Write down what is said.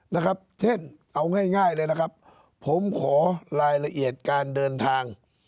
นะครับเช่นเอาง่ายง่ายเลยนะครับผมขอรายละเอียดการเดินทาง